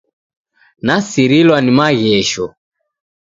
Nasirilwa ni maghesho.